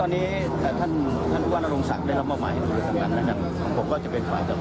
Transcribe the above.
ตอนนี้ท่านท่านผู้ว่านรงศักดิ์ได้รับเมื่อไหร่ของผมก็จะเป็นฝ่าย